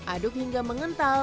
aduk hingga mengental